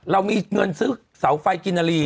เรามีเงินซื้อเสาไฟกินนาลี